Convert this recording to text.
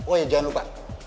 oh ya jangan lupa